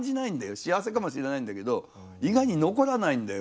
幸せかもしれないんだけど意外に残らないんだよ。